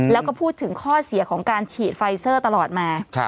แล้วก็พูดถึงข้อเสียของการฉีดไฟเซอร์ตลอดมา